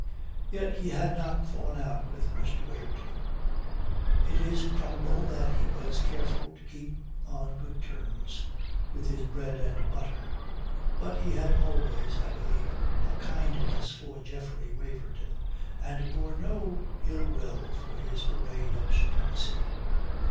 Yet he had not fallen out with Mr. Waverton. It is probable that he was careful to keep on good terms with his bread and butter. But he had always, I believe, a kindness for Geoffrey Waverton, and bore no ill will for his parade of supremacy.